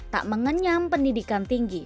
tak mengenyam pendidikan tinggi